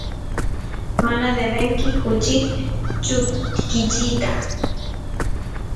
mana devenki kuchit chutkichiyta